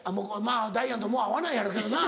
ダイアンともう会わないやろけどな。